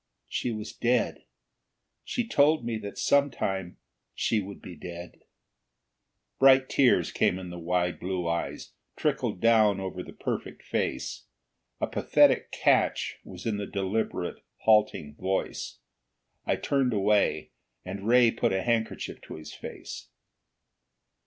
She was dead. She told me that sometime she would be dead." Bright tears came in the wide blue eyes, trickled down over the perfect face. A pathetic catch was in the deliberate, halting voice. I turned away, and Ray put a handkerchief to his face.